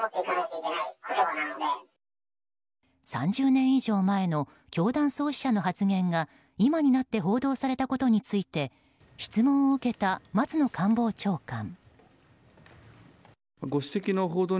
３０年以上前の教団創始者の発言が今になって報道されたことについて質問を受けた松野官房長官。